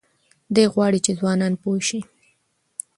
دی غواړي چې ځوانان پوه شي.